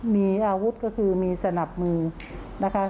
มีอาวุธก็คือมีสนับมือนะคะ